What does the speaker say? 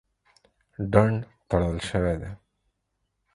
ډنډ تړل شوی دی.